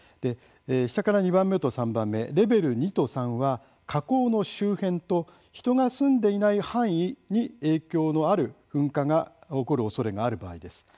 下から２番目と３番目レベル２と３は火口の周辺と人が住んでいない範囲に影響のある噴火が起こるおそれがある場合です。